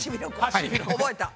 覚えた。